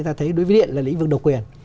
ta thấy đối với điện là lĩnh vực độc quyền